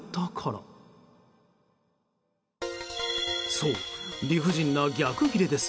そう、理不尽な逆ギレです。